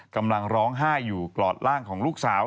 กำลังร้องไห้อยู่กลอดร่างของลูกสาว